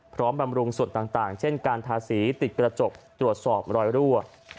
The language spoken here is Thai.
บำรุงส่วนต่างเช่นการทาสีติดกระจกตรวจสอบรอยรั่ว